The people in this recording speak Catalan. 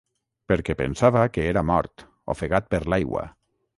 Perquè pensava que era mort, ofegat per l'aigua.